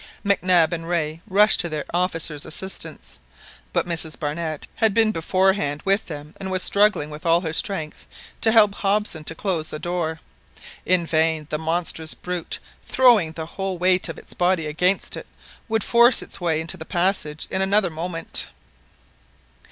Mac Nab and Rae rushed to their officer's assistance; but Mrs Barnett had been beforehand with them and was struggling with all her strength to help Hobson to close the door. In vain; the monstrous brute, throwing the whole weight of its body against it, would force its way into the passage in another moment.